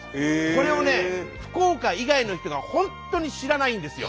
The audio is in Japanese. これをね福岡以外の人が本当に知らないんですよ。